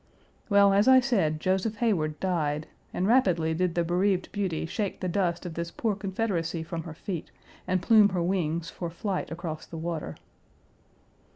Well, as I said, Joseph Heyward died, and rapidly did the bereaved beauty shake the dust of this poor Confederacy from her feet and plume her wings for flight across the water.